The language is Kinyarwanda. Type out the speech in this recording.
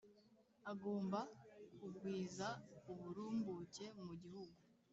agomba kugwiza uburumbuke mu gihugu.